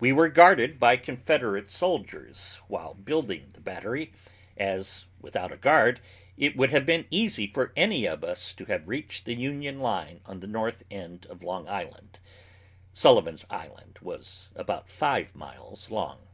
We were guarded by Confederate soldiers while building the battery, as, without a guard it would have been easy for any of us to have reached the Union line on the north end of Long Island. Sullivan's Island was about five miles long.